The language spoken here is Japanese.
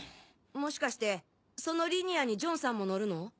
もしかしてそのリニアにジョンさんも乗るの？